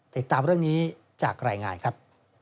ติดตามเรื่องนี้จากรายงานครับ